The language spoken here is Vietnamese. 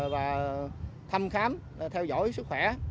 và thăm khám theo dõi sức khỏe